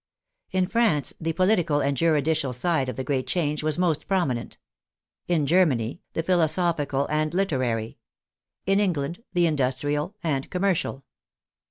In France, the political and juridical side of the great change was most promi nent; in Germany, the philosophical and literary; in England, the industrial and commercial.